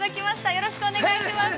よろしくお願いします。